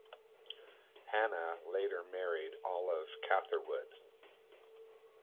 Hanna later married Olive Catherwood.